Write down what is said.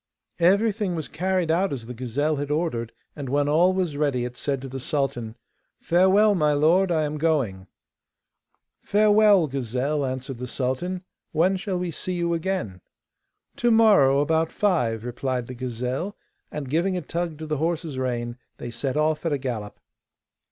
Everything was carried out as the gazelle had ordered, and when all was ready it said to the sultan: 'Farewell, my lord, I am going.' 'Farewell, gazelle,' answered the sultan; 'when shall we see you again?' 'To morrow about five,' replied the gazelle, and, giving a tug to the horse's rein, they set off at a gallop.